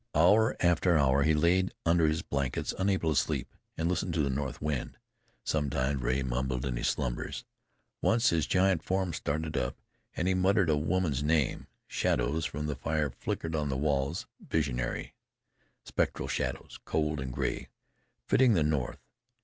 Hour after hour he lay under his blankets unable to sleep, and listened to the north wind. Sometimes Rea mumbled in his slumbers; once his giant form started up, and he muttered a woman's name. Shadows from the fire flickered on the walls, visionary, spectral shadows, cold and gray, fitting the north.